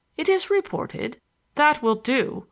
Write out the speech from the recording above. It is reported—" "That will do!